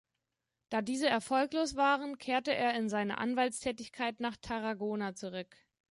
Da diese erfolglos waren, kehrte er in seine Anwaltstätigkeit nach Tarragona zurück.